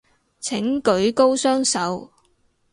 請舉高雙手